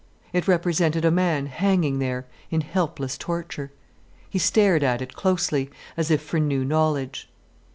It represented a man hanging there in helpless torture. He stared at it, closely, as if for new knowledge.